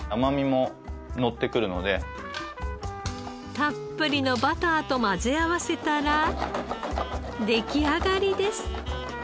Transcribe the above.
たっぷりのバターと混ぜ合わせたら出来上がりです。